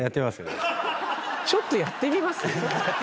「ちょっとやってみます？」